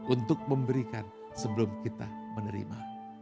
untuk memberikan sebelum kita menerima